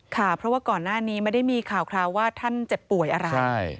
ค่ะเพราะว่าก่อนหน้านี้ไม่ได้มีข่าวว่าท่านเจ็บป่วยอะไร